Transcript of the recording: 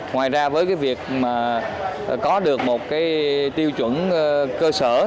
ngoài ra với việc có được một tiêu chuẩn cơ sở